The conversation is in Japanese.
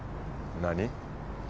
何？